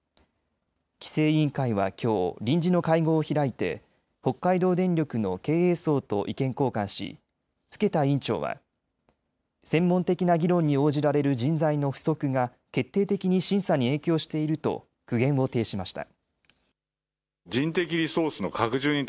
規制委員会はきょう臨時の会合を開いて北海道電力の経営層と意見交換し更田委員長は、専門的な議論に応じられる人材の不足が決定的に審査に影響していると苦言を呈しました。